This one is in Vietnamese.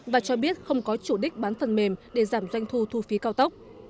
và cho biết không có chủ đích bán phần mềm để giảm doanh thu thu phí cao tốc